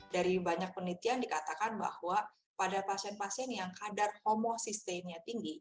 dari banyak penelitian dikatakan bahwa pada pasien pasien yang kadar homosistainnya tinggi